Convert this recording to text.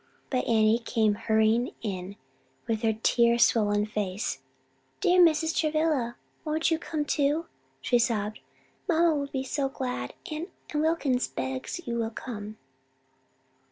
But Annie came hurrying in with her tear swollen face. "Dear Mrs. Travilla, won't you come too?" she sobbed. "Mamma will be so glad; and and Wilkins begs you will come."